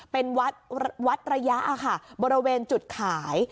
เป็นวัดระยะค่ะบริเวณจุดขาย